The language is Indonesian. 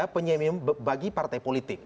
penyeimbang bagi partai politik